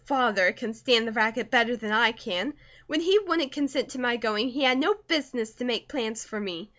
Father can stand the racket better than I can. When he wouldn't consent to my going, he had no business to make plans for me.